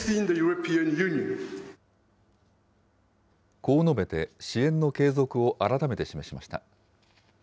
こう述べて支援の継続を改めて示しました。